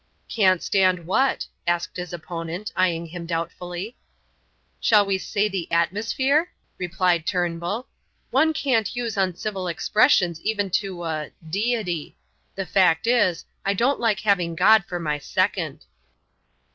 "Can't stand what?" asked his opponent, eyeing him doubtfully. "Shall we say the atmosphere?" replied Turnbull; "one can't use uncivil expressions even to a deity. The fact is, I don't like having God for my second."